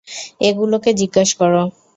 এ গুলোকে জিজ্ঞেস কর।